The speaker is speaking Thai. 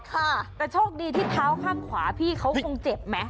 แต่โชคดีที่เท้าข้างขวาพี่เขาคงเจ็บไหม